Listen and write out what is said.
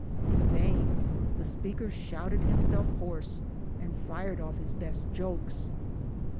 In vain the speaker shouted him self hoarse and fired off his best jokes.